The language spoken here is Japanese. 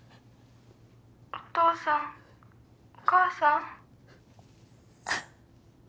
お父さんお母さん？